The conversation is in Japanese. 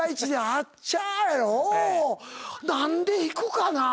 何で引くかなぁ？